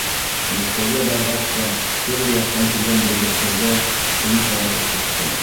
Мәскәүгә барғас та төрлө яҡтан килгән белгестәргә шуны таратып сыҡтым.